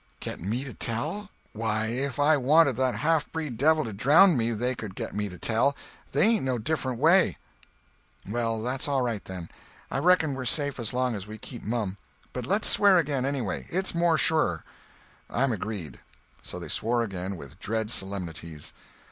"Get me to tell? Why, if I wanted that halfbreed devil to drownd me they could get me to tell. They ain't no different way." "Well, that's all right, then. I reckon we're safe as long as we keep mum. But let's swear again, anyway. It's more surer." "I'm agreed." So they swore again with dread solemnities.